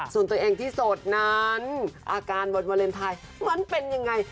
ส่วนตัวเองที่โสดนั้นอาการวันวาเลนไทยมันเป็นยังไง